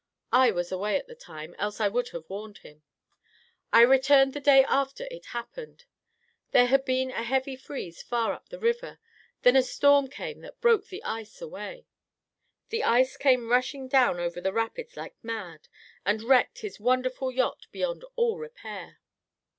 I was away at the time, else I would have warned him. I returned the day after it happened. There had been a heavy freeze far up the river, then a storm came that broke the ice away. The ice came racing down over the rapids like mad and wrecked his wonderful yacht beyond all repair.